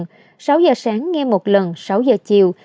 sáu h sáng nghe một lần sáu h chiều